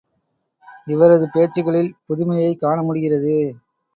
இவரது பேச்சுக்களில் புதுமையைக் காண முடிகிறது.